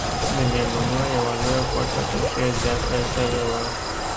د ميلمنو يوه لويه کوټه پکښې زياته سوې وه.